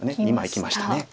今いきました。